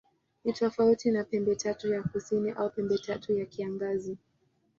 Ni tofauti na Pembetatu ya Kusini au Pembetatu ya Kiangazi.